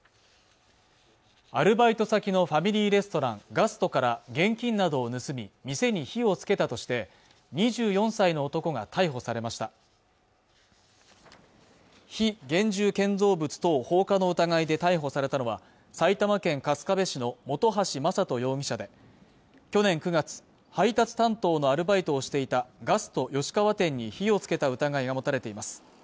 アルバイト先のファミリーレストランガストから現金などを盗み店に火をつけたとして２４歳の男が逮捕されました非現住建造物等放火の疑いで逮捕されたのは埼玉県春日部市の本橋真人容疑者で去年９月配達担当のアルバイトをしていたガスト吉川店に火をつけた疑いが持たれています